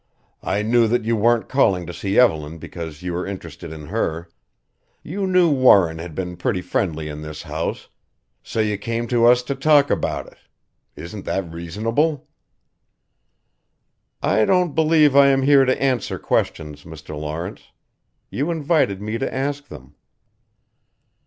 "I knew that you weren't calling to see Evelyn because you were interested in her. You knew Warren had been pretty friendly in this house so you came to talk to us about it. Isn't that reasonable?" "I don't believe I am here to answer questions, Mr. Lawrence. You invited me to ask them."